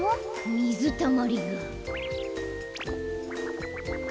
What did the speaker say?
みずたまりが。